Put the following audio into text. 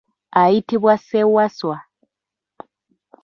Ayitibwa Ssewaswa.